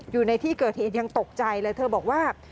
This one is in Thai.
อยู่ในที่เกิดเหตุยังตกใจเลยเธอบอกว่า